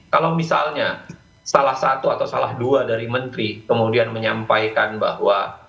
kalau misalnya salah satu atau salah dua dari menteri kemudian menyampaikan bahwa